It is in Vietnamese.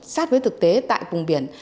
sát với thực tế tại cùng biển